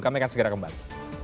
kami akan segera kembali